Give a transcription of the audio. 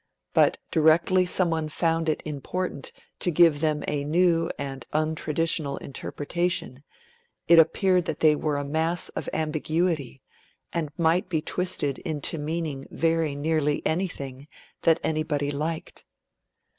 But directly someone found it important to give them a new and untraditional interpretation, it appeared that they were a mass of ambiguity, and might be twisted into meaning very nearly anything that anybody liked.